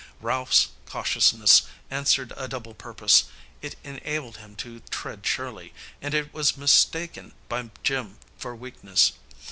Ralph's cautiousness answered a double purpose; it enabled him to tread surely, and it was mistaken by Jim for weakness.